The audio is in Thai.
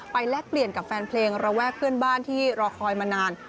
แลกเปลี่ยนกับแฟนเพลงระแวกเพื่อนบ้านที่รอคอยมานาน